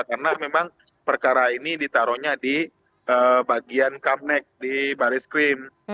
karena memang perkara ini ditaruhnya di bagian kamnek di baris krim